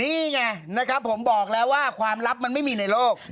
นี่ไงนะครับผมบอกแล้วว่าความลับมันไม่มีในโลก